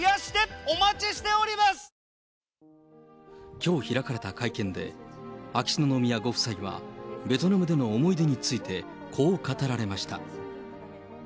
きょう開かれた会見で、秋篠宮ご夫妻は、ベトナムでの思い出についてこう語られました。